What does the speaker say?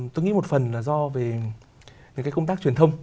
tôi nghĩ một phần là do về những cái công tác truyền thông